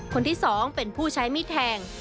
คนที่๒เป็นผู้ใช้มีดแทง